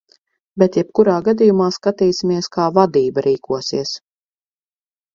Bet jebkurā gadījumā skatīsimies, kā vadība rīkosies.